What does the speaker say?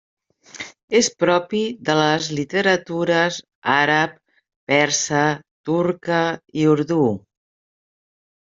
És propi de les literatures àrab, persa, turca i urdú.